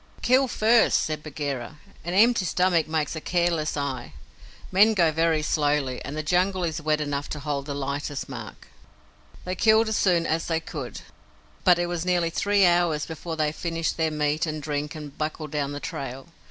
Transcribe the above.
"Kill first," said Bagheera. "An empty stomach makes a careless eye. Men go very slowly, and the Jungle is wet enough to hold the lightest mark." They killed as soon as they could, but it was nearly three hours before they finished their meat and drink and buckled down to the trail.